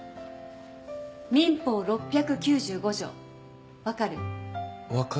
民法６９５条分かる？